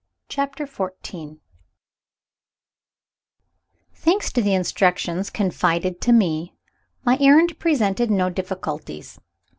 CHAPTER XIV Thanks to the instructions confided to me, my errand presented no difficulties.